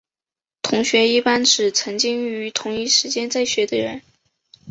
同学一般指曾经于同一时间在学的人。